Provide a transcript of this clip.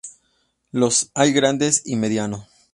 Los hay grandes y medianos.